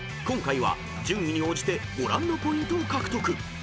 ［今回は順位に応じてご覧のポイントを獲得］